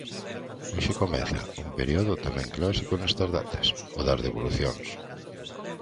Hoxe comeza un período tamén clásico nestas datas: o das devolucións.